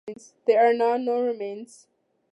There are now no remains.